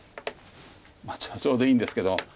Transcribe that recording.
ちょうどいいんですけど。